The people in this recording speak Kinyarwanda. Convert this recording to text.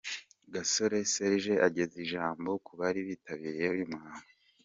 Gasore Serge ageza ijambo ku bari bitabiriye uyu muhango.